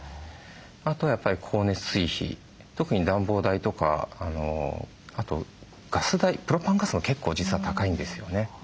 あとやっぱり光熱水費特に暖房代とかあとガス代プロパンガスも結構実は高いんですよね。